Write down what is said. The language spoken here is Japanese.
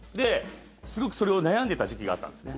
すごく、それを悩んでた時期があったんですね。